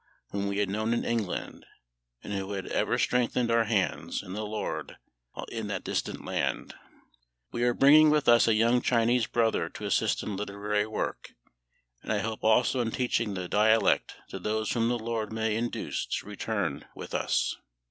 whom we had known in England, and who had ever strengthened our hands in the LORD while in that distant land: "We are bringing with us a young Chinese brother to assist in literary work, and I hope also in teaching the dialect to those whom the LORD may induce to return with us."